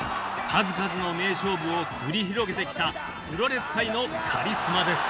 数々の名勝負を繰り広げてきたプロレス界のカリスマです。